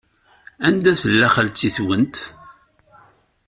Anida tella xalti-nwent?